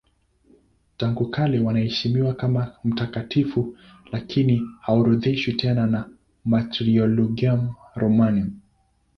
Tangu kale wanaheshimiwa kama mtakatifu lakini haorodheshwi tena na Martyrologium Romanum.